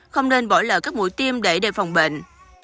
không nên bỏ lỡ các mũi tiêm để đề phòng bệnh